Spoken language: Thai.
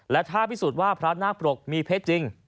และถ้าพิสูจน์ว่าพระนาคปรกมีเพชรจริง